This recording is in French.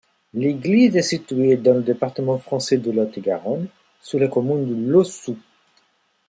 L'église est située dans le département français de Lot-et-Garonne, sur la commune de Laussou.